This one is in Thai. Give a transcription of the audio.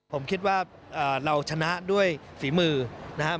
ผมคิดว่าเราชนะด้วยฝีมือนะครับ